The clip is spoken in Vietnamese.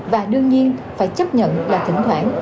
và đương nhiên phải chấp nhận là thỉnh thoảng